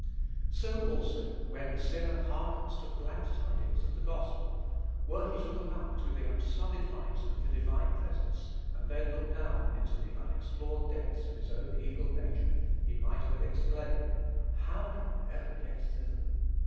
So also, when a sinner hearkens to the glad tidings of the gospel, were he to look up to the unsullied light of the divine presence, and then look down into the unexplored depths of his own evil nature, he might well exclaim, How can I ever get thither?